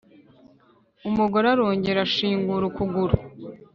Umugore arongera ashingura ukuguru